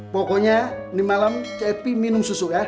pokoknya di malam cepi minum susu kan